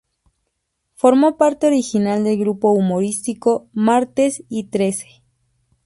Formó parte original del grupo humorístico Martes y Trece.